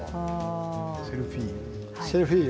セルフィーユ。